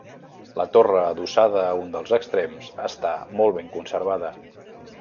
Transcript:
La torre adossada a un dels extrems, està molt ben conservada.